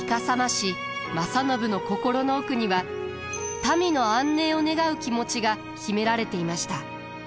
師正信の心の奥には民の安寧を願う気持ちが秘められていました。